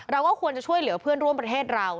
เราก็ควรจะช่วยเหลือเพื่อนร่วมประเทศเรา